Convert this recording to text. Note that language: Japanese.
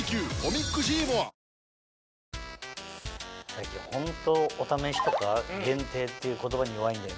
最近ホント「お試し」とか「限定」っていう言葉に弱いんだよね。